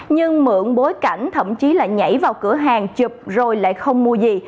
nhưng mượn bối cảnh thậm chí lại nhảy vào cửa hàng chụp rồi lại không mua gì